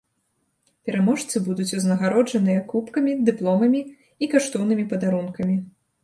Пераможцы будуць узнагароджаныя кубкамі, дыпломамі і каштоўнымі падарункамі.